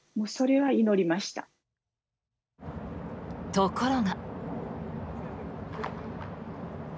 ところが。